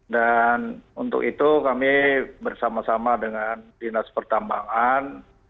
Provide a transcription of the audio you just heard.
dan untuk itu kami bersama sama dengan dinas pertambangan